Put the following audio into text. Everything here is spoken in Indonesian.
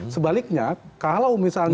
sebaliknya kalau misalnya